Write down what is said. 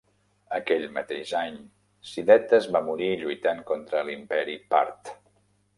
Aquell mateix any Sidetes va morir lluitant contra l'imperi part.